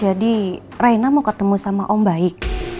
jadi rena mau ketemu sama om baik